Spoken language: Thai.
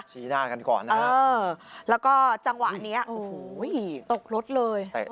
ชี้หน้ากันก่อนนะฮะแล้วก็จังหวะนี้โอ้โหตกรถเลย